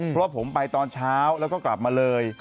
เพราะว่าผมไปตอนเช้าแล้วก็กลับมาเลย